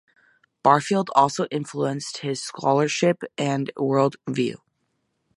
Barfield also influenced his scholarship and world view.